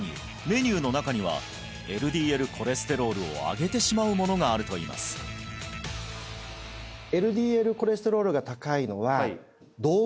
メニューの中にはＬＤＬコレステロールを上げてしまうものがあるといいますというふうに考えられます